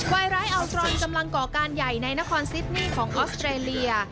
วายร้ายอัลทรนกำลังก่อการใหญ่ในนครซิดนี่ของออสเตรเลีย